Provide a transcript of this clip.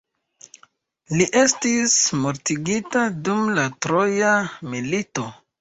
Li estis mortigita dum la troja milito.